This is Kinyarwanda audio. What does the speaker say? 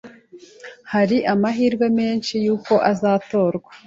Hari amahirwe menshi yuko azatorwa.